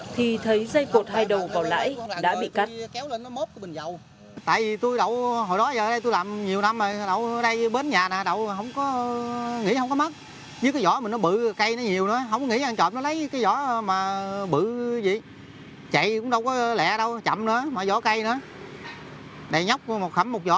thì thấy dây cột hai đầu vỏ lãi đã bị cắt